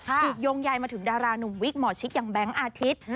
อีกย่งใหญ่มาถึงดาราหนุ่มวิกหมอชิคยังแบงค์อาทิตย์